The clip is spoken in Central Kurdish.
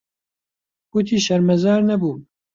گوتی شەرمەزار نەبووم.